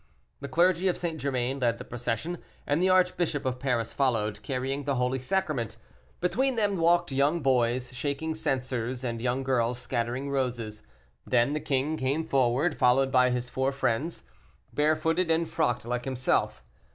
The clergy of St. Germain led the procession, and the Archbishop of Paris followed, carrying the holy sacrament; between them walked young boys, shaking censers, and young girls scattering roses. Then came the king, followed by his four friends, barefooted and frocked like himself.